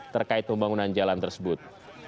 terkait pembangunan jalan tersebut